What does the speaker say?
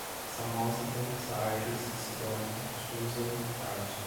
Samósata, Sárdis, Sidom, Susa, Tarso